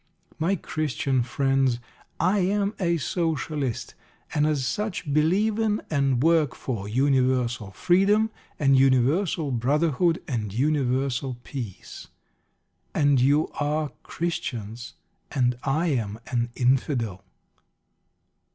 My Christian friends, I am a Socialist, and as such believe in, and work for, universal freedom, and universal brotherhood, and universal peace. And you are Christians, and I am an "Infidel."